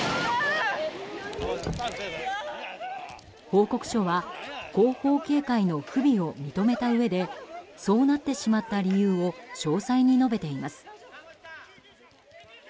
報告書は後方警戒の不備を認めたうえでそうなってしまった理由を詳細に述べています。